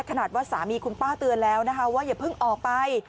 ขนาดว่าสามีคุณป้าเตือนแล้วนะคะว่าอย่าเพิ่งออกไป